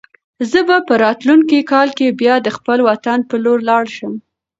زه به په راتلونکي کال کې بیا د خپل وطن په لور لاړ شم.